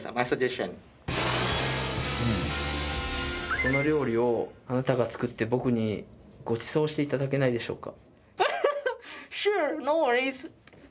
その料理をあなたが作って僕にごちそうしていただけないでしょうか？